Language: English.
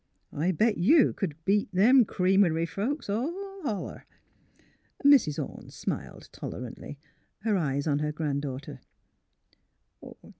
I bet you c'd beat them creamery folks all holler." Mrs. Ome smiled, tolerantly, her eyes on her grand daughter.